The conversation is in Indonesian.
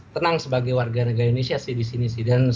tenang sebagai warga negara indonesia sih disini sih dan saya